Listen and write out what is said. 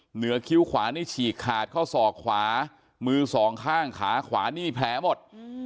คิ้วขวานี่ฉีกขาดข้อศอกขวามือสองข้างขาขวานี่แผลหมด